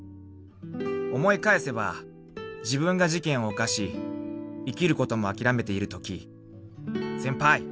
［「思い返せば自分が事件を犯し生きる事もあきらめている時先輩！